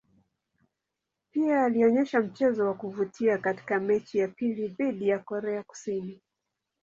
Pia alionyesha mchezo wa kuvutia katika mechi ya pili dhidi ya Korea Kusini.